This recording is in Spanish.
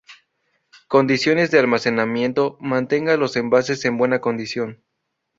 Condiciones de almacenamiento: Mantenga los envases en buena condición.